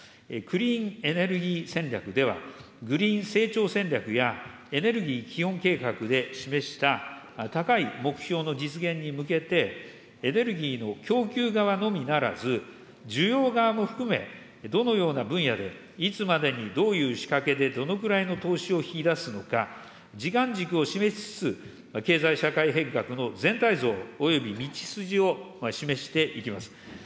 クリーンエネルギー戦略では、グリーン成長戦略やエネルギー基本計画で示した、高い目標の実現に向けて、エネルギーの供給側のみならず、需要側も含め、どのような分野でいつまでにどういう仕掛けで、どのくらいの投資を引き出すのか、時間軸を示しつつ、経済社会変革の全体像および道筋を示していきます。